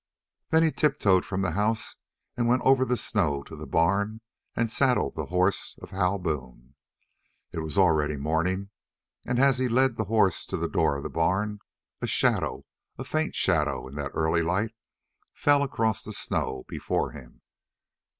Then he tiptoed from the house and went over the snow to the barn and saddled the horse of Hal Boone. It was already morning, and as he led the horse to the door of the barn a shadow, a faint shadow in that early light, fell across the snow before him.